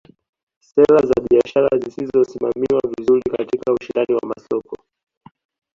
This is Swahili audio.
Sera za biashara zisizosimamiwa vizuri katika ushindani wa masoko